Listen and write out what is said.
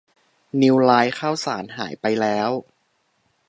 นิวไลท์ข้าวสารหายไปแล้ว